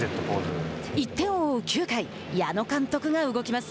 １点を追う９回矢野監督が動きます。